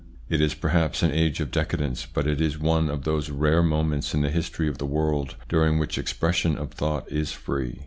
It is perhaps an age of decadence, but it is one of those rare moments in the history of the world during which expression of thought is free.